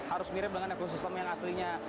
harus mirip dengan ekosistem yang aslinya